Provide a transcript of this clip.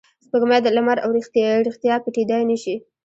سپوږمۍ، لمر او ریښتیا پټېدای نه شي.